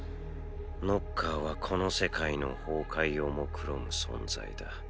ノッカーはこの世界の崩壊を目論む存在だ。